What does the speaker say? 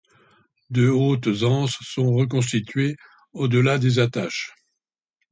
Deux hautes anses sont reconstituées au-delà des attaches.